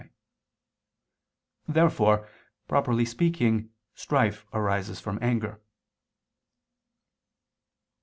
Therefore, properly speaking, strife arises from anger.